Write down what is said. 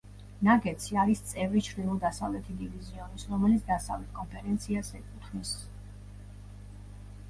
ნაგეტსი არის წევრი ჩრდილო-დასავლეთი დივიზიონის, რომელიც დასავლეთ კონფერენციას ეკუთვნის.